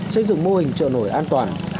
xây dựng mô hình trợ nổi an toàn